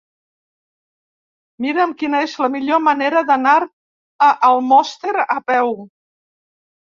Mira'm quina és la millor manera d'anar a Almoster a peu.